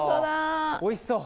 おいしそう。